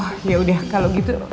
oh yaudah kalau gitu